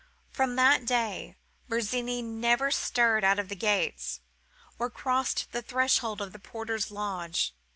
From that day, Virginie had never stirred out of the gates, or crossed the threshold of the porter's lodge.